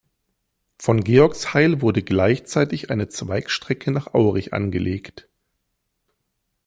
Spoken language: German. Von Georgsheil wurde gleichzeitig eine Zweigstrecke nach Aurich angelegt.